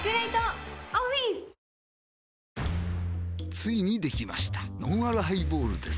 ついにできましたのんあるハイボールです